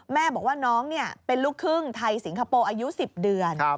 แม่บอกว่าน้องเป็นลูกครึ่งไทยสิงคโปร์อายุ๑๐เดือน